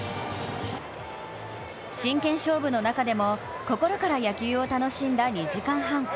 真剣勝負の中でも心から野球を楽しんだ２時間半。